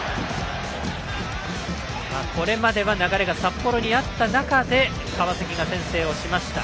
これまでは流れが札幌にあった中川崎が先制しました。